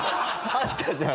あったじゃん。